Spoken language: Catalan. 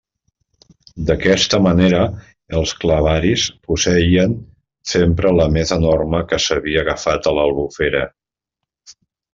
D'aquesta manera els clavaris posseïen sempre la més enorme que s'havia agafat a l'Albufera.